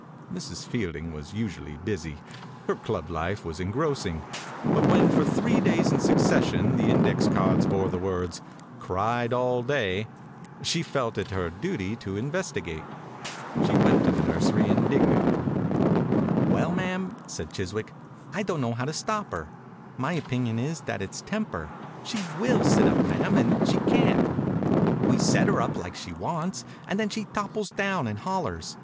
Mrs. Fielding was usually busy. Her club life was en grossing, but when, for three days in succession, the index cards bore the words "Cried all day," she felt it her duty to in vestigate. She went to the nursery, indignant. 42 THE INCUBATOR BABY "Well, mam," said Chiswick, « I don't know how to stop her. My opinion is that it's temper. She will sit up, mam, and she can't. We set her up, like she wants, and then she topples down and hollers.